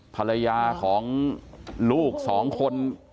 ภรรยาของลูกสองคน